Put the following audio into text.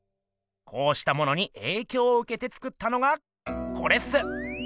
こうしたものにえいきょうをうけて作ったのがコレっす。